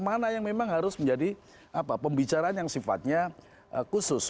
mana yang memang harus menjadi pembicaraan yang sifatnya khusus